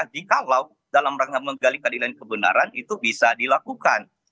jikalau dalam rangka menggali keadilan kebenaran itu bisa dilakukan